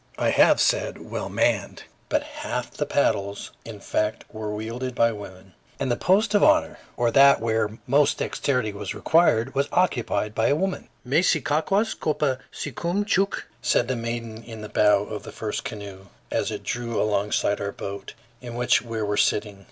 I have said well manned, but half the paddles, in fact, were wielded by women, and the post of honor, or that where most dexterity was required, was occupied by a woman. [Illustration: Edward S. Curtis Sunset on the Pacific.] "Me si ka kwass kopa s'kookum chuck?" said the maiden in the bow of the first canoe, as it drew alongside our boat, in which we were sitting.